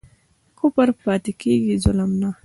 کفر پاتی کیږي ظلم نه